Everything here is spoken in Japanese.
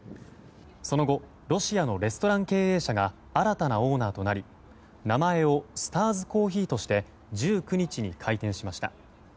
その後、ロシアのレストラン経営者が新たなオーナーとなり名前をスターズ・コーヒーとして１９日に開店しました。